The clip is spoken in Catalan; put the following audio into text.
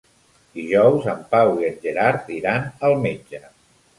Dijous en Pau i en Gerard iran al metge.